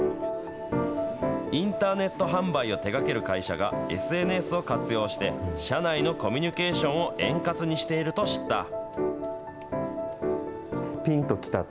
インターネット販売を手がける会社がＳＮＳを活用して、社内のコミュニケーションを円滑にしていると知った。